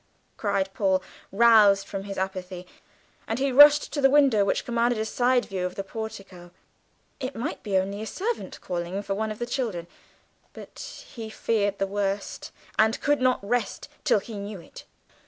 cried Paul, roused from his apathy; and he rushed to the window which commanded a side view of the portico; it might be only a servant calling for one of the children, but he feared the worst, and could not rest till he knew it.